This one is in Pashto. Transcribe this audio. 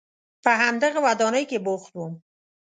په همدغه ودانۍ کې بوخت وم.